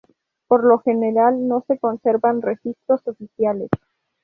Por lo general, no se conservan registros oficiales.